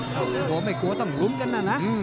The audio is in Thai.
ตัวไม่กลัวก็ต้องหลุมกันนะ